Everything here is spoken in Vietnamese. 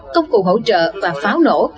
công cụ hỗ trợ và pháo nổ